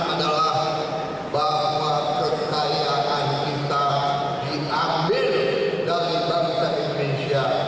adalah bahwa kekayaan kita diambil dari bangsa indonesia